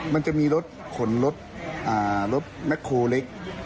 มันจะมีรถขนรถแคลเล็ก